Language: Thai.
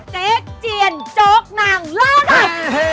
เจ๊เจียนจโก๊คนางเลิง